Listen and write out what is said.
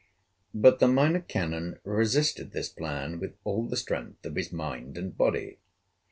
But the Minor Canon resisted this plan with all the strength of his mind and body.